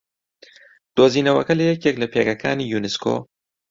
دوزینەوەکە لە یەکێک لە پێگەکانی یوونسکۆ